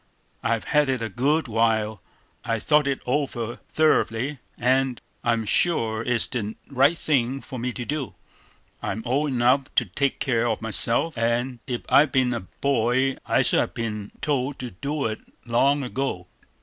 I've had it a good while, I've thought it over thoroughly, and I'm sure it's the right thing for me to do. I'm old enough to take care of myself; and if I'd been a boy, I should have been told to do it long ago.